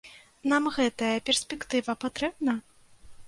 Нам гэтая перспектыва патрэбна?